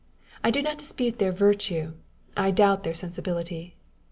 I do not dispute their virtue, I doubt their sensibility.